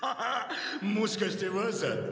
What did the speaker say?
「もしかしてわざと？